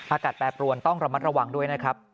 แปรปรวนต้องระมัดระวังด้วยนะครับ